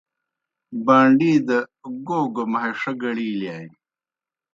بان٘ڈی دہ گو گہ مہݜہ گڑِیلِیانیْ۔